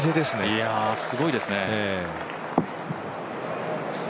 すごいですね。